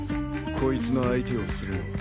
こいつの相手をするのは。